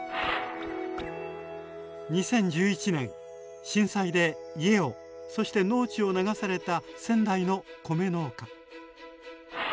２０１１年震災で家をそして農地を流された仙台の米農家。